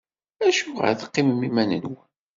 Acuɣeṛ i teqqimem iman-nwen?